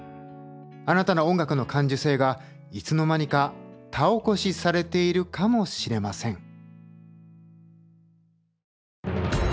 あなたの音楽の感受性がいつの間にか田起こしされているかもしれません。